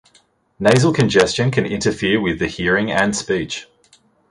Nasal congestion can interfere with the hearing and speech.